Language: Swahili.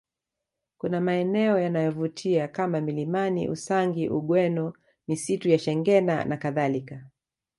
Kuna maeneo yanayovutia kama milimani Usangi Ugweno misitu ya Shengena nakadhalika